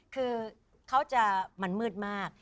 คือเขาจะมันมืดมาก